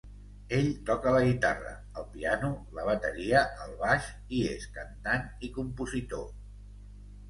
Ell toca la guitarra, el piano, la bateria, el baix, i és cantant i compositor.